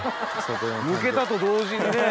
むけたと同時にねぇ！